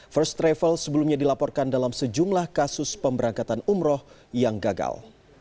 first travel sebelumnya dilaporkan dalam sejumlah kasus pemberangkatan umroh yang gagal